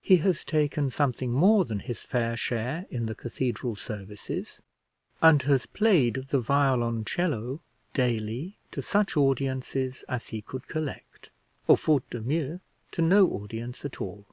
He has taken something more than his fair share in the cathedral services, and has played the violoncello daily to such audiences as he could collect, or, faute de mieux, to no audience at all.